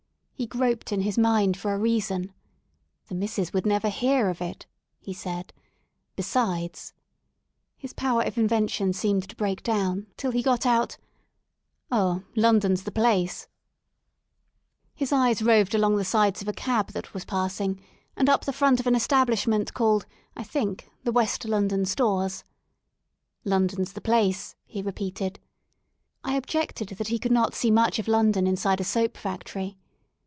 He groped in his mind for a reason, "The missis would never fiear of it/' he said. '* Besides —'' His power of inven tion seemed to break down till he got out; Oh, London *s the place I *' His eyes roved along the sides of a cab that was passing and up the front of an establishment called, I think, the West London Stores. London *s the place,'' he repeated, I objected that he could not see much of London inside a soap factory.